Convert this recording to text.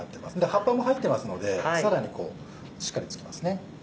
葉っぱも入ってますのでさらにしっかり付きますね。